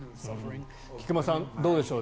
菊間さん、どうでしょう。